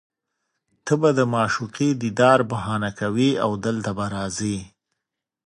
ته به د معشوقې دیدار بهانه کوې او دلته به راځې